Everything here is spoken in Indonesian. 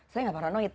saya tidak paranoid